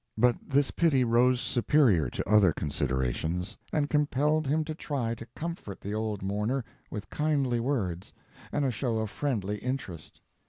But his pity rose superior to other considerations, and compelled him to try to comfort the old mourner with kindly words and a show of friendly interest.